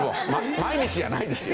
毎日じゃないですよ。